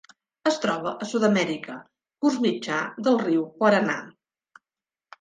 Es troba a Sud-amèrica: curs mitjà del riu Paranà.